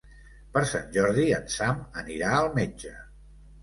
Per Sant Jordi en Sam anirà al metge.